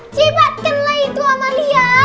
cepatkanlah itu amalia